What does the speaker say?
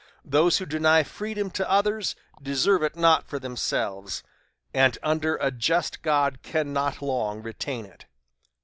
Those who deny freedom to others deserve it not for themselves, and, under a just God, cannot long retain it."